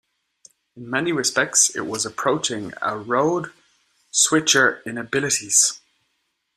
In many respects it was approaching a road switcher in abilities.